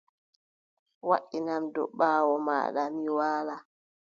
Waʼinam dow ɓaawo maaɗa mi waala.